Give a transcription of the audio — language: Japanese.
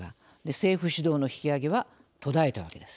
政府主導の引き上げは途絶えたわけです。